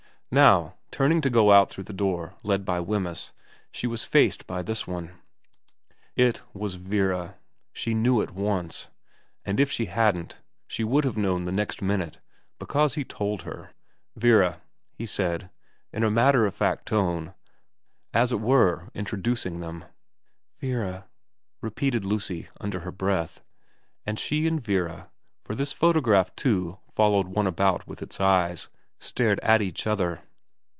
Now, turning to go out through the door led by Wemyss, she was faced by this one. It was Vera. She knew at once ; and if she hadn't she would have known the next minute, because he told her. ' Vera,' he said, in a matter of fact tone, as it were introducing them. ' Vera,' repeated Lucy under her breath ; and she and Vera for this photograph too followed one about with its eyes stared at each other.